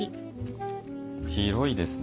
広いですね。